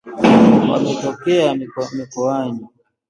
wametokea mikoani